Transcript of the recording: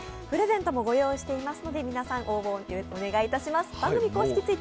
プレゼントもご用意していますので、皆さん、ご応募お願いいたします。